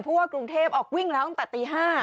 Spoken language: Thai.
เพราะว่ากรุงเทพออกวิ่งแล้วตั้งแต่ตี๕